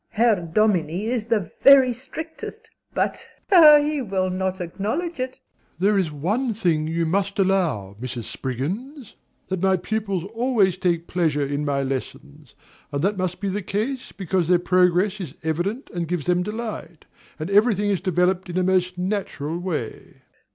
Herr Dominie is the very strictest but (playfully) he will not acknowledge it. DOMINIE. There is one thing you must allow, Mrs. Spriggins, that my pupils always take pleasure in my lessons; and that must be the case because their progress is evident and gives them delight, and every thing is developed in the most natural way.